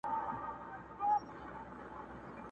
جهاني به وي د شپو له کیسو تللی!